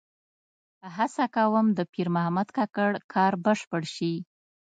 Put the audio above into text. هڅه کوم د پیر محمد کاکړ کار بشپړ شي.